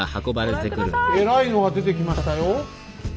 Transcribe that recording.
えらいのが出てきましたよ？